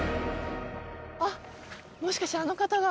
あっもしかしてあの方が。